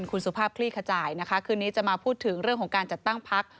คุณสุภาพคลี่ขจายนะคะคืนนี้จะมาพูดถึงเรื่องของการจัดตั้งพัก